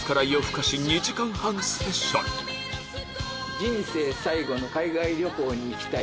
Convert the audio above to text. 「人生最後の海外旅行に行きたい」。